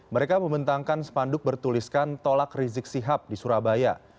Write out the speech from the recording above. mereka membentangkan spanduk bertuliskan tolak rizik sihab di surabaya